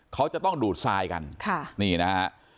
เขาจะต้องดูดทรายกันนี่นะฮะ